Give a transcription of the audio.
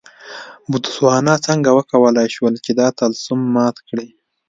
بوتسوانا څنګه وکولای شول چې دا طلسم مات کړي.